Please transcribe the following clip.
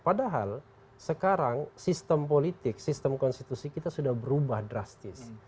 padahal sekarang sistem politik sistem konstitusi kita sudah berubah drastis